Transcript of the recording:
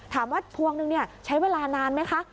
ถามว่าพวงนึงใช้เวลานานไหมคะ